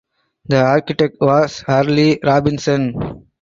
The architect was Hurley Robinson.